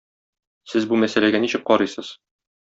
Сез бу мәсьәләгә ничек карыйсыз?